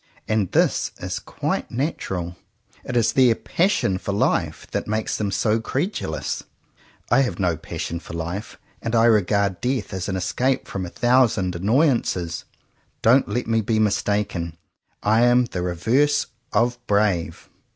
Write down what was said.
And this is quite natural. It is their passion for life that makes them so credulous. I have no passion for life, and I regard death as an escape from a thousand annoyances. Don't let me be mistaken. I am the re verse of brave.